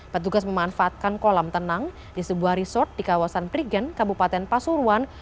petugas memanfaatkan kolam tenang di sebuah resort di kawasan prigen kabupaten pasuruan